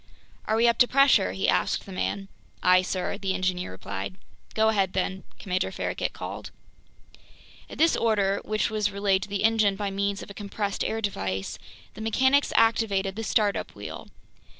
"Are we up to pressure?" he asked the man. "Aye, sir," the engineer replied. "Go ahead, then!" Commander Farragut called. At this order, which was relayed to the engine by means of a compressed air device, the mechanics activated the start up wheel.